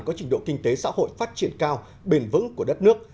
có trình độ kinh tế xã hội phát triển cao bền vững của đất nước